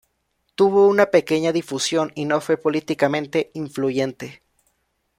Tuvo una pequeña difusión y no fue políticamente influyente.